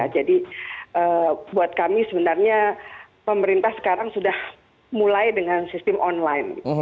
jadi buat kami sebenarnya pemerintah sekarang sudah mulai dengan sistem online